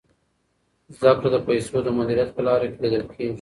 زده کړه د پیسو د مدیریت په لاره کي لیدل کیږي.